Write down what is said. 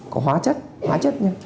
có hóa chất